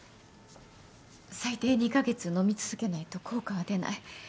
最低２カ月飲み続けないと効果は出ない。